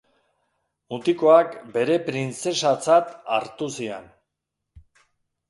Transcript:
Mutikoak bere printzesatzat hartu zian.